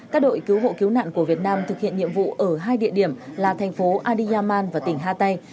các đội cứu hộ cứu nạn của việt nam thực hiện nhiệm vụ ở hai địa điểm là thành phố adiyaman và tỉnh hatay